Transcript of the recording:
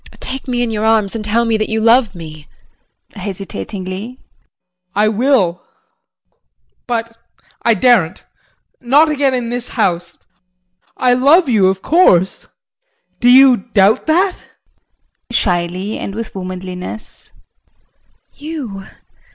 Take me in your arms and tell me that you love me. JEAN [Hesitatingly]. I will but I daren't not again in this house. I love you of course do you doubt that? JULIE [Shyly and with womanliness]. You!